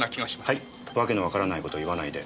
はいわけのわからない事言わないで。